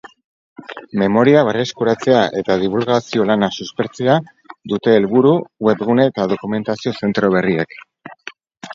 Memoria berreskuratzea eta dibulgazio lana suspertzea dute helburu webgune eta dokumentazio zentro berriek.